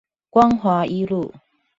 光華一路